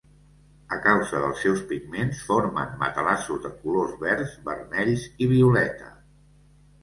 A causa dels seus pigments, formen matalassos de colors verds, vermells i violeta.